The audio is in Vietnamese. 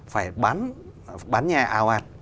phải bán nhà ào ạt